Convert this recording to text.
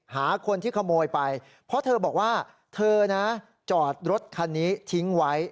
หาคนที่ขโมยไปเพราะเธอบอกว่าเธอนะจอดรถคันนี้ทิ้งไว้